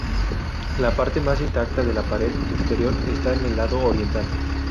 La parte más intacta de la pared exterior está en el lado oriental.